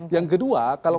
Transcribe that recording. yang kedua kalau